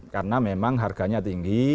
karena memang harganya tinggi